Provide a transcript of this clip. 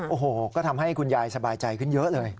โอ้โหก็ทำให้คุณยายสบายใจขึ้นเยอะเลย